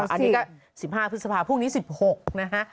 อันนี้ก็๑๕พฤษภาพรุ่งนี้๑๖นะฮะ